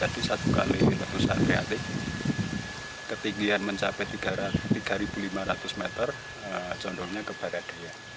jadi satu kali letusan kreatif ketinggian mencapai tiga lima ratus meter jondolnya kebarat